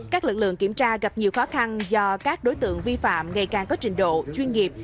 các lực lượng kiểm tra gặp nhiều khó khăn do các đối tượng vi phạm ngày càng có trình độ chuyên nghiệp